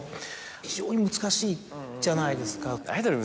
非常に難しいじゃないですか。